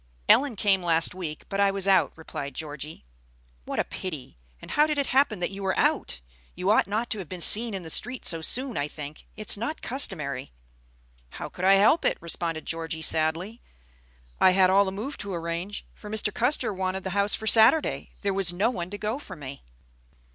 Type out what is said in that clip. "Ellen came last week, but I was out," replied Georgie. "What a pity! And how did it happen that you were out? You ought not to have been seen in the street so soon, I think. It's not customary." "How could I help it?" responded Georgie, sadly. "I had all the move to arrange for. Mr. Custer wanted the house for Saturday. There was no one to go for me."